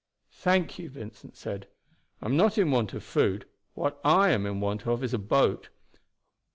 "Thank you," Vincent said; "I am not in want of food. What I am in want of is a boat."